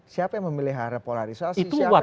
siapa yang memelihara polarisasi